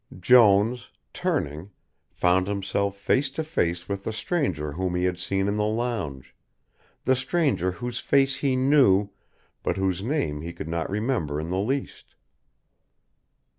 Jones, turning, found himself face to face with the stranger whom he had seen in the lounge, the stranger whose face he knew but whose name he could not remember in the least.